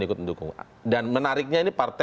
ikut mendukung dan menariknya ini partai